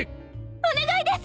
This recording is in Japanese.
お願いです！